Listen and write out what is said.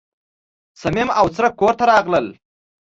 صمیم او څرک کور ته راغلل.